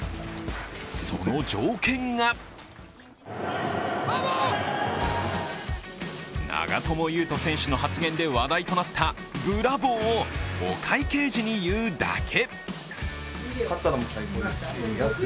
その条件が長友佑都選手の発言で話題となった「ブラボー」をお会計時に言うだけ。